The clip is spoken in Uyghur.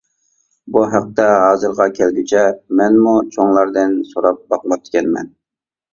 بۇ ھەقتە ھازىرغا كەلگۈچە مەنمۇ چوڭلاردىن سوراپ باقماپتىكەنمەن.